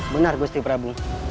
benar gusih prabu